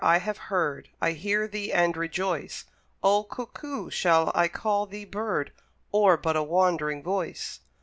I have heard, I hear thee and rejoice. O Cuckoo! shall I call thee Bird, Or but a wandering Voice?